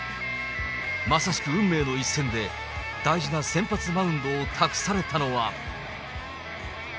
まさしく運命の一戦で、大事な先発マウンドを託されたのは。